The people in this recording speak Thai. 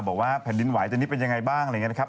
บอกว่าแผ่นดินไหวตอนนี้เป็นยังไงบ้างอะไรอย่างนี้นะครับ